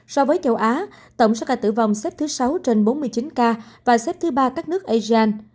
so với châu á tổng số ca tử vong xếp thứ sáu trên bốn mươi chín ca và xếp thứ ba các nước asean